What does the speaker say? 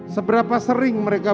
seberapa sering mereka